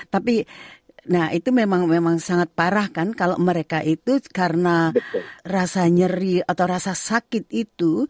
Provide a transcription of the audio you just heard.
tapi nah itu memang sangat parah kan kalau mereka itu karena rasa nyeri atau rasa sakit itu